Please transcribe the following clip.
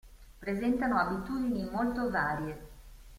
Presentano abitudini molto varie.